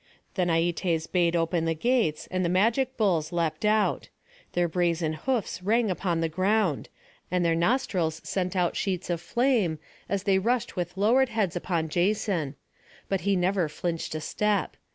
Then Aietes bade open the gates, and the magic bulls leapt out. Their brazen hoofs rang upon the ground, and their nostrils sent out sheets of flame, as they rushed with lowered heads upon Jason; but he never flinched a step.